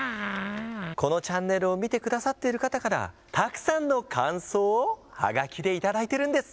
このチャンネルを見てくださっている方から、たくさんの感想をはがきで頂いてるんです。